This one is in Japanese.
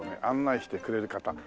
案内してくれる方